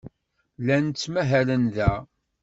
Llan ttmahalen da.